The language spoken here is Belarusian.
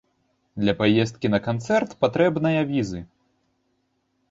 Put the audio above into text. Для паездкі на канцэрт патрэбная візы.